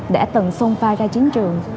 đã từng sung phai ra chiến trường